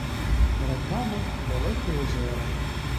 Перед нами далекі озера!